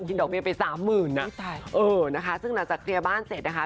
ดอกเบี้ไปสามหมื่นอ่ะเออนะคะซึ่งหลังจากเคลียร์บ้านเสร็จนะคะ